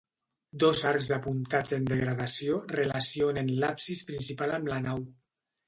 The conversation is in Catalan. Dos arcs apuntats en degradació relacionen l'absis principal amb la nau.